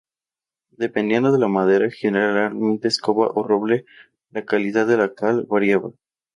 Dependiendo de la madera, generalmente escoba o roble, la calidad de la cal variaba.